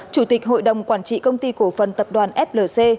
chủ tịch hội đồng quản trị công ty cổ phần tập đoàn flc